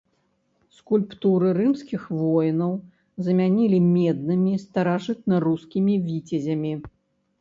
Скульптуры рымскіх воінаў замянілі меднымі старажытнарускімі віцязямі.